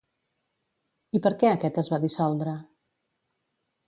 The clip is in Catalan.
I per què aquest es va dissoldre?